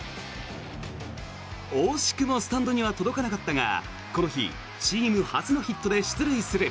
惜しくもスタンドには届かなかったがこの日、チーム初のヒットで出塁する。